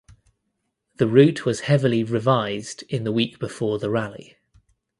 The route was heavily revised in the week before the rally.